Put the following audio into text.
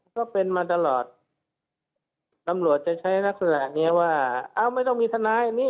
ก็เป็นมาตลอดตำรวจจะใช้ลักษณะเนี้ยว่าเอ้าไม่ต้องมีทนายอันนี้